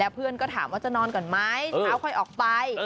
เพื่อนก็ถามว่าจะนอนก่อนไหมเช้าค่อยออกไป